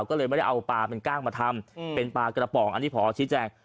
ก็เลยไม่ได้เอาปลาเป็นกล้างมาทำเป็นปลากระป๋องอันนี้พอชี้แจง